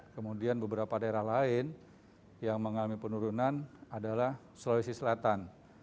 kemudian beberapa daerah lain yang mengalami penurunan adalah sulawesi selatan